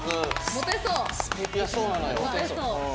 モテそう！